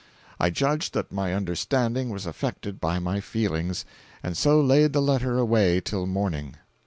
—I judged that my understanding was affected by my feelings, and so laid the letter away till morning.